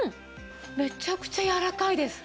めちゃくちゃやわらかいです。